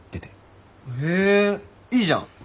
へぇいいじゃん！